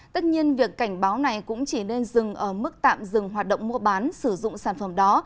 tất nhiên việc cảnh báo này cũng chỉ nên dừng ở mức tạm dừng hoạt động mua bán sử dụng sản phẩm đó